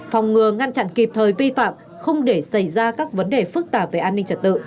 phòng ngừa ngăn chặn kịp thời vi phạm không để xảy ra các vấn đề phức tạp về an ninh trật tự